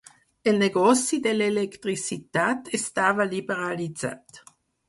El negoci de l'electricitat estava liberalitzat.